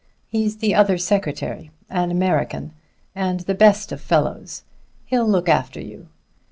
He's the other secretary; an American, and the best of fellows; he'll look after you.